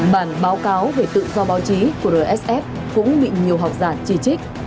bản báo cáo về tự do báo chí của rsf cũng bị nhiều học giả chỉ trích